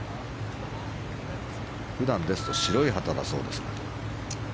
普段ですと白い旗だそうですが。